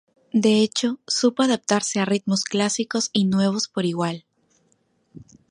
De hecho, supo adaptarse a ritmos clásicos y nuevos por igual.